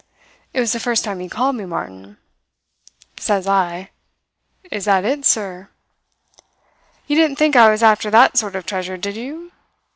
"It was the first time he called me Martin. Says I: "'Is that it, sir?' "'You didn't think I was after that sort of treasure, did you?